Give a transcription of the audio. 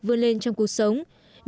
vươn lên trong cuộc sống